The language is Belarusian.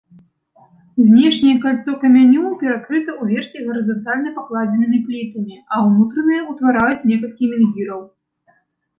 Знешняе кальцо камянёў перакрыта ўверсе гарызантальна пакладзенымі плітамі, а ўнутранае ўтвараюць некалькі менгіраў.